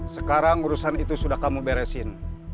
sekarang urusan itu sudah kamu beresin